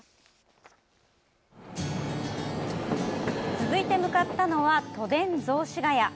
続いて向かったのは都電雑司ヶ谷。